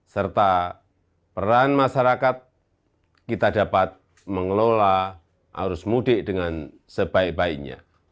serta peran masyarakat kita dapat mengelola arus mudik dengan sebaik baiknya